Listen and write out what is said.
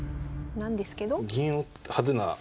なんですけど。